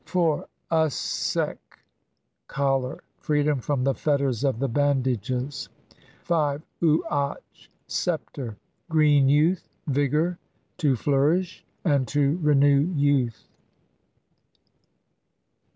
4. ^? usckh Collar. Freedom from the fetters of the bandages. uatch Sceptre. Green youth, vigour, to flour ish and to renew youth.